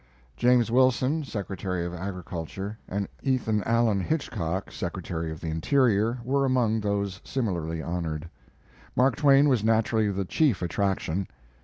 James Wilson, Secretary of Agriculture, and Ethan Allen Hitchcock, Secretary of the Interior, were among those similarly honored. Mark Twain was naturally the chief attraction.